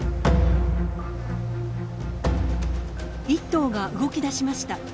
１頭が動き出しました。